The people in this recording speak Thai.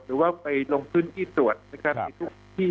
หรือว่าไปลงพื้นที่ตรวจนะครับในทุกที่